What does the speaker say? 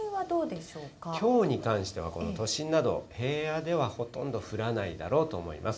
きょうに関しては、都心など平野ではほとんど降らないだろうと思います。